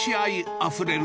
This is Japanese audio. あふれる